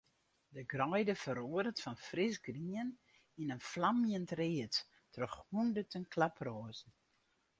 De greide feroaret fan frisgrien yn in flamjend read troch hûnderten klaproazen.